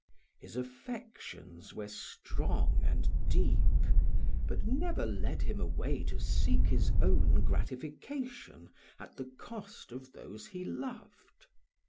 His affections were strong and deep, but never led him away to seek his own gratification at the cost of those he loved.